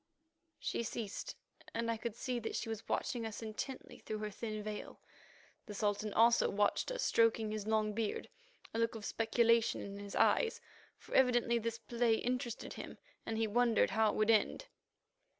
She ceased, and I could see that she was watching us intently through her thin veil. The Sultan also watched us, stroking his long beard, a look of speculation in his eyes, for evidently this play interested him and he wondered how it would end.